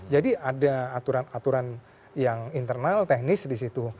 jadi ada aturan aturan yang internal teknis di situ